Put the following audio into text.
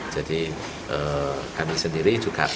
jadi kami sendiri juga